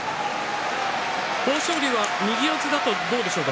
豊昇龍は右四つだとどうですか？